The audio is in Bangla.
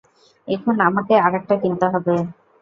এখন আমাকে আরেকটা কিনতে হবে।